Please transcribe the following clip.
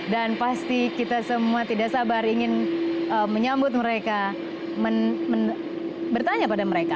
dan pasti kita semua tidak sabar ingin menyambut mereka bertanya pada mereka